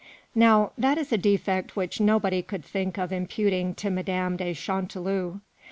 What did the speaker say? Now, that is a defect which nobody could think of imputing to Madame de Chanteloup.